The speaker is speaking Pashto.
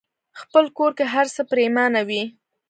خپل کور کې هرڅه پريمانه وي.